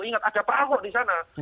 ingat ada pak ahok disana